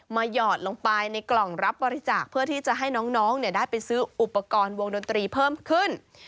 หยอดลงไปในกล่องรับบริจาคเพื่อที่จะให้น้องได้ไปซื้ออุปกรณ์วงดนตรีเพิ่มขึ้น